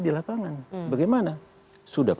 di lapangan bagaimana sudah